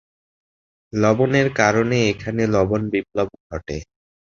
লবণের কারণে এখানে লবণ বিপ্লব ঘটে।